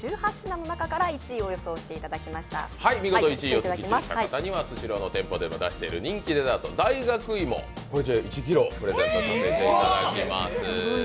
見事１位を獲得した方には、スシローの店舗でも出している人気デザート大学芋１ｋｇをプレゼントさせていただきます。